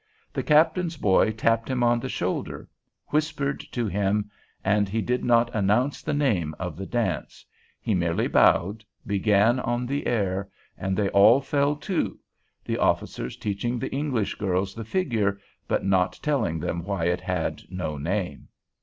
the captain's boy tapped him on the shoulder, whispered to him, and he did not announce the name of the dance; he merely bowed, began on the air, and they all fell to, the officers teaching the English girls the figure, but not telling them why it had no name.